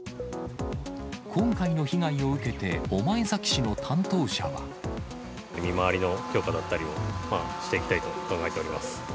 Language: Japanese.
今回の被害を受けて、御前崎見回りの強化だったりをしていきたいと考えております。